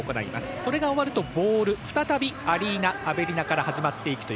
それが終わるとボール、再びアリーナ・アベリナから始まっていきます。